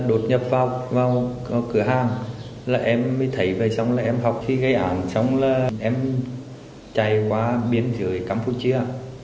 đột nhập vào cửa hàng là em mới thấy về xong là em học khi gây ảnh xong là em chạy qua biến rưỡi campuchia